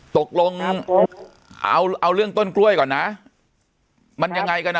ตกลงเอาเอาเรื่องต้นกล้วยก่อนนะมันยังไงกันอ่ะ